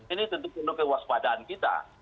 ini tentu penuh kewaspadaan kita